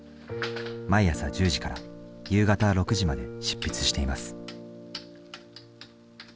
毎朝１０時から夕方６時まで執筆しています。